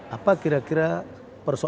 apa kira kira persoalan